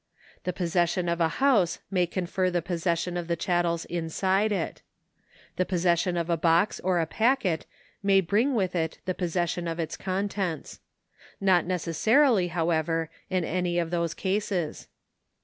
The possession of a house may confer the possession of the chattels inside it. The possession of a box or a packet may bring with it the possession of its contents. Not necessarily, however, in any of those cases.